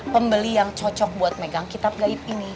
pembeli yang cocok buat megang kitab gaib ini